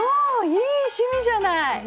いい趣味じゃない！